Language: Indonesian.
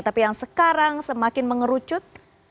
tapi yang sekarang semakin mengerucut